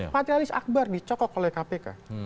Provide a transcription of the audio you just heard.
patrialis akbar dicokok oleh kpk